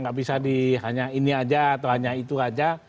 nggak bisa di hanya ini aja atau hanya itu saja